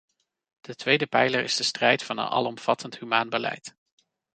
De tweede pijler is de strijd voor een alomvattend, humaan beleid.